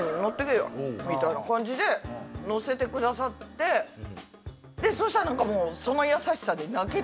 みたいな感じで乗せてくださってそしたら何かもうその優しさで。